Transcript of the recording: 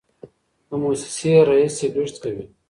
د موسسې رییس سګرټ څکوي.